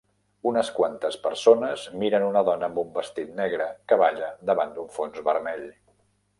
Unes quantes persones miren una dona amb un vestit negre que balla davant d'un fons vermell.